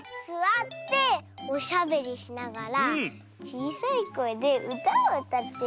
すわっておしゃべりしながらちいさいこえでうたをうたってる？